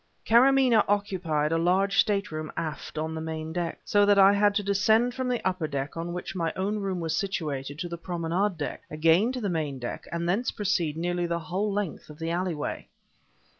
Karamaneh occupied a large stateroom aft on the main deck; so that I had to descend from the upper deck on which my own room was situated to the promenade deck, again to the main deck and thence proceed nearly the whole length of the alleyway.